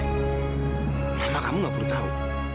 kenapa kamu gak perlu tahu